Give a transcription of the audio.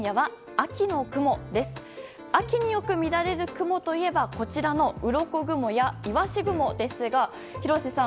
秋によく見られる雲といえばこちらのうろこ雲やいわし雲ですが廣瀬さん